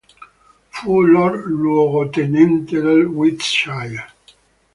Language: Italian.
Fu Lord luogotenente del Wiltshire.